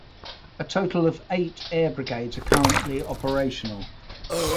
A total of eight Air Brigades are currently operational.